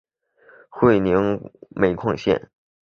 会宁煤矿线